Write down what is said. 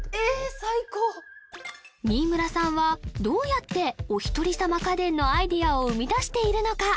新村さんはどうやって「おひとりさま家電」のアイデアを生み出しているのか？